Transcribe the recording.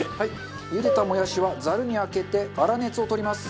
茹でたもやしはザルにあけて粗熱を取ります。